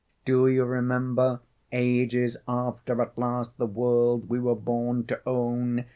Do you remember, ages after, At last the world we were born to own?